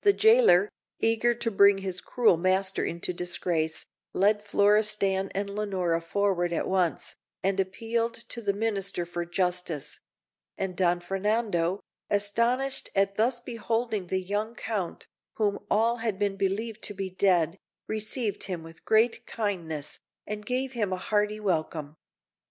The jailer, eager to bring his cruel master into disgrace, led Florestan and Leonora forward at once, and appealed to the Minister for justice; and Don Fernando, astonished at thus beholding the young Count, whom all had believed to be dead, received him with great kindness, and gave him a hearty welcome.